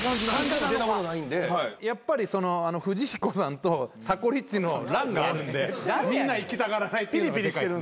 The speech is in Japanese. やっぱり富士彦さんとさこリッチの乱があるんでみんな行きたがらないっていうのでかいですね。